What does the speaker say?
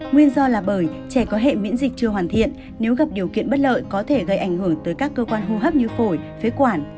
nguyên do là bởi trẻ có hệ miễn dịch chưa hoàn thiện nếu gặp điều kiện bất lợi có thể gây ảnh hưởng tới các cơ quan hô hấp như phổi phế quản